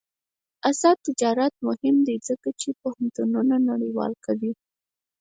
آزاد تجارت مهم دی ځکه چې پوهنتونونه نړیوال کوي.